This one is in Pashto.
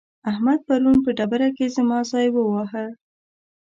احمد پرون په ډبره کې زما ځای وواهه.